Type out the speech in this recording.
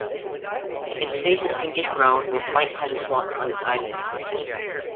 Its face is pinkish-brown, with white colour spots on its eyelids.